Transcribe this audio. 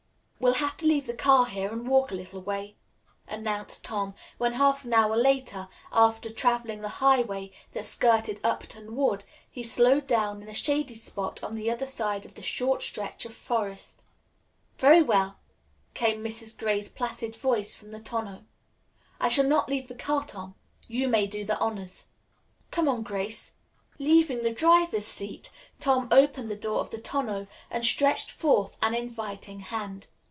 "We'll have to leave the car here and walk a little way," announced Tom, when half an hour later, after traveling the highway that skirted Upton Wood, he slowed down in a shady spot on the other side of the short stretch of forest. "Very well," came Mrs. Gray's placid voice from the tonneau. "I shall not leave the car, Tom. You may do the honors." "Come on, Grace." Leaving the driver's seat, Tom opened the door of the tonneau and stretched forth an inviting hand.